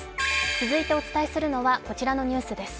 続いてお伝えするのはこちらのニュースです。